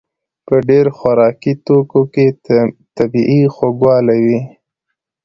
په ډېر خوراکي توکو کې طبیعي خوږوالی وي.